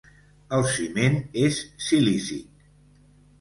El ciment és silícic.